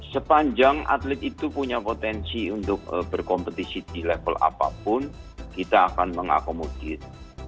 sepanjang atlet itu punya potensi untuk berkompetisi di level apapun kita akan mengakomodir